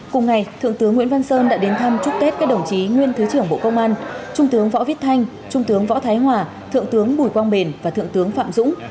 cùng ngày thượng tướng nguyễn văn sơn đã đến thăm chúc tết các đồng chí nguyên thứ trưởng bộ công an trung tướng võ viết thanh trung tướng võ thái hòa thượng tướng bùi quang bền và thượng tướng phạm dũng